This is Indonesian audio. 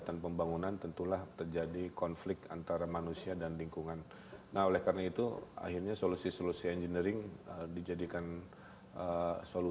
kami langsung mengonfirmasi hal ini dengan gubernur jawa barat ridwan kamil